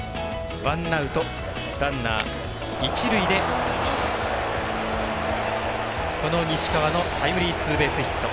ワンアウト、ランナー、一塁でこの西川のタイムリーツーベースヒット。